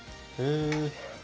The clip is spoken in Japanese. へえ。